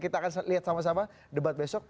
kita akan lihat sama sama debat besok